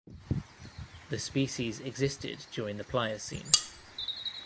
The species existed during the Pliocene.